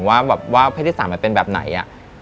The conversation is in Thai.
ว่าเพศที่๓มันเป็นแบบไหน